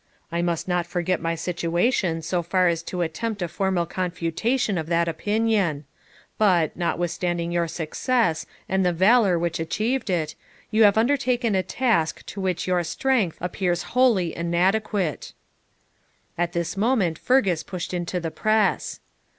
'I must not forget my situation so far as to attempt a formal confutation of that opinion; but, notwithstanding your success and the valour which achieved it, you have undertaken a task to which your strength appears wholly inadequate.' At this moment Fergus pushed into the press.